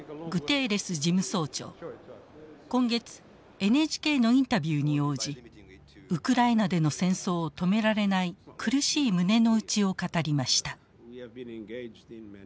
今月ＮＨＫのインタビューに応じウクライナでの戦争を止められない苦しい胸の内を語りました。